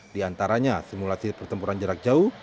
diantaranya simulasi pertempuran jarak jauh